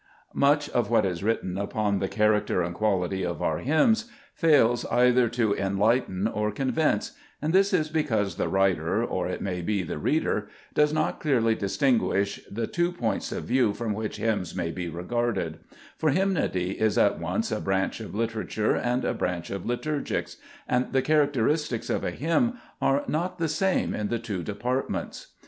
Much of what is written upon the character and quality of our hymns fails either to enlighten or convince ; and this is because the writer, or, it may be, the reader, does not clearly distin guish the two points of view from which hymns may be regarded : for hymnody is at once a branch of literature and a branch of liturgies, and the characteristics of a hymn are not the same in the two departments.